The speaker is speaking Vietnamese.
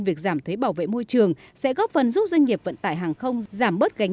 việc giảm thuế bảo vệ môi trường sẽ góp phần giúp doanh nghiệp vận tải hàng không giảm bớt gánh